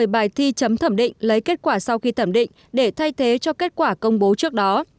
một mươi bài thi chấm thẩm định lấy kết quả sau khi thẩm định để thay thế cho kết quả công bố trước đó